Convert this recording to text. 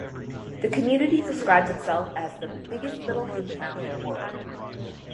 The community describes itself as the "Biggest Little Haytown in the World".